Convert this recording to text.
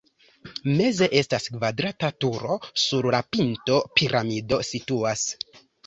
Meze estas kvadrata turo, sur la pinto piramido situas.